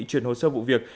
chuyển hồ sơ vụ việc